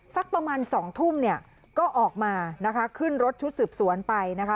สักประมาณ๒ทุ่มก็ออกมาขึ้นรถชุดสืบสวนไป